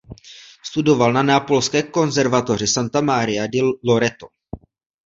Studoval na neapolské konzervatoři "Santa Maria di Loreto".